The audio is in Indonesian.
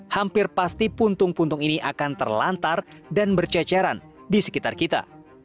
hampir pasti puntung puntung ini akan terlantar dan berceceran di sekitar kita